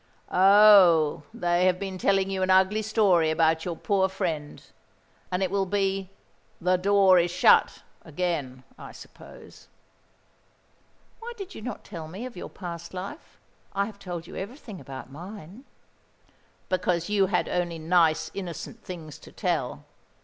Oh, they have been telling you an ugly story about your poor friend; and it will be 'The door is shut' again, I suppose." "Why did not you tell me of your past life? I have told you everything about mine." "Because you had only nice innocent things to tell.